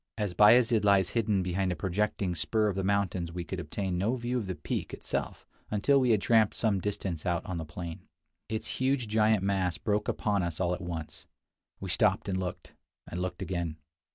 As Bayazid lies hidden behind a projecting spur of the mountains we could obtain no view of the peak itself until we had tramped some distance out on the plain. Its huge giant mass broke upon us all at once. We stopped and looked — and looked again.